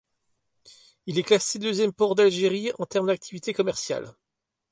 Il est classé deuxième port d'Algérie en termes d’activité commerciale.